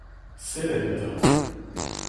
Sellit eta !